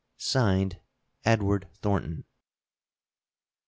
] (Signed) EDWD. THORNTON.